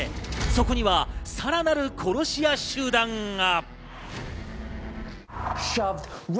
そこにはさらなる殺し屋集団が。